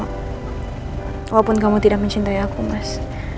walaupun kamu tidak mencintai aku mas